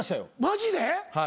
マジで！？